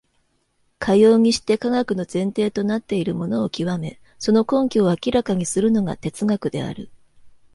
かようにして科学の前提となっているものを究め、その根拠を明らかにするのが哲学である。